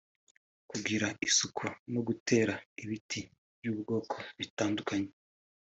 kugira isuku no gutera ibiti by’ubwoko butandukanye